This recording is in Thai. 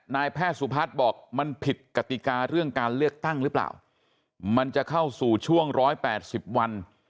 นายแพทย์สุพัฒน์บอกมันผิดกติกาเรื่องการเลือกตั้งหรือเปล่ามันจะเข้าสู่ช่วง๑๘๐วัน